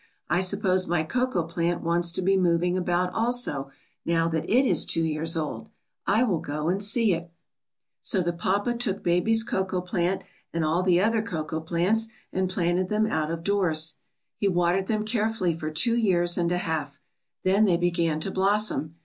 I sup pose my cocoa plant wants to be moving about also, now that it is two years old. I will go and see it.' 66 A STORY IN A CUP OF COCOA. "So the papa took baby's cocoa plant and all the other cocoa plants, and planted them out of doors. "He watered them carefully for two years and a half; then they began to blossom.